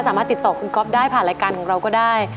สามารถติดต่อคุณก๊อฟได้ผ่านรายการของเราก็ได้